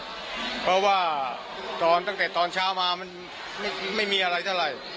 ครับเพราะว่าตั้งแต่ตอนเช้าม้ามันไม่มีอะไรอย่างไร